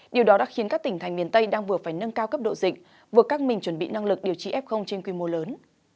điều đó đã khiến các tỉnh thành miền tây đang vừa phải nâng cao cấp độ dịch vừa căng mình chuẩn bị năng lực điều trị f trên quy mô lớn